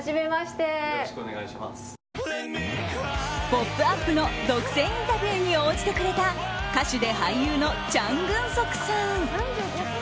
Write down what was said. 「ポップＵＰ！」の独占インタビューに応じてくれた歌手で俳優のチャン・グンソクさん。